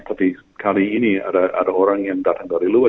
tapi kali ini ada orang yang datang dari luar